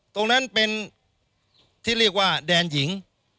ตรงนั้นเป็นที่เรียกว่าแดนหญิง